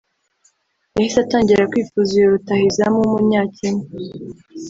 yahise atangira kwifuza uyu rutahizamu w’Umunyakenya